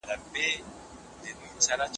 خو د فاینل لپاره باید سخت کار وکړې.